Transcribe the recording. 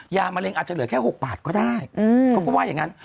มะเร็งอาจจะเหลือแค่๖บาทก็ได้เขาก็ว่าอย่างนั้น